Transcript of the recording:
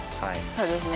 そうですね